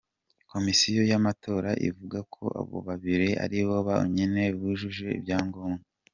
Komisiyo y’amatora ivuga ko abo babiri aribo bonyine bujuje ibyangombwa.